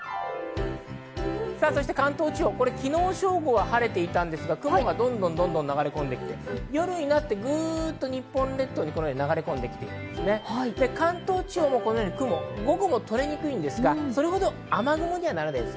関東地方、昨日正午は晴れていたんですが雲がどんどんと流れ込んで来て、昼になって日本列島に流れ込んできて、関東地方も、雲、午後は取れにくいんですが、それほど雨雲にはならないです。